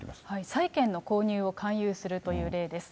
債権の購入を勧誘するという例です。